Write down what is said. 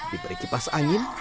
diberi kipas angin